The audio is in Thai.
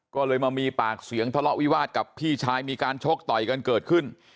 ก็เลยมามีปากเสียงทะเลาะวิวาสกับพี่ชายมีการชกต่อยกันเกิดขึ้น